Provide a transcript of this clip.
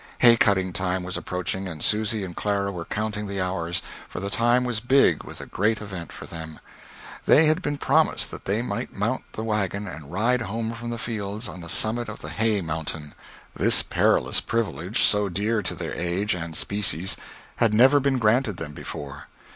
Hay cutting time was approaching, and Susy and Clara were counting the hours, for the time was big with a great event for them; they had been promised that they might mount the wagon and ride home from the fields on the summit of the hay mountain. This perilous privilege, so dear to their age and species, had never been granted them before.